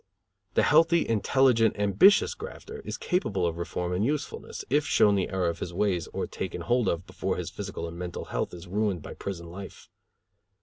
The healthy, intelligent, ambitious grafter is capable of reform and usefulness, if shown the error of his ways or taken hold of before his physical and mental health is ruined by prison life.